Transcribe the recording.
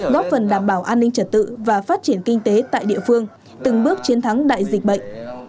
góp phần đảm bảo an ninh trật tự và phát triển kinh tế tại địa phương từng bước chiến thắng đại dịch bệnh